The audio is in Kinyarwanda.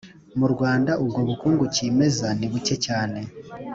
mu rwanda ubwo bukungu cyimeza ni buke cyane.